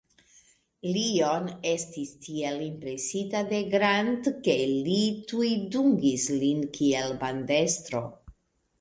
Lion estis tiel impresita de Grant, ke li tuj dungis lin kiel bandestro.